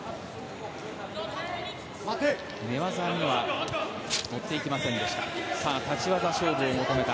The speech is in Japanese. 寝技には持っていきませんでした。